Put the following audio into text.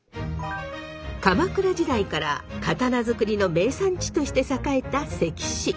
鎌倉時代から刀作りの名産地として栄えた関市。